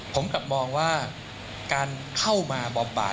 ผมกลับมองว่าการเข้ามาบำบาด